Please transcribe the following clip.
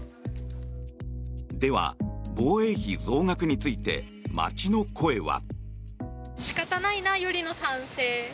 では、防衛費増額について街の声は。